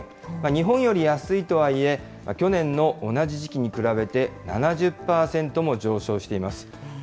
日本より安いとはいえ、去年の同じ時期に比べて、７０％も上昇しています。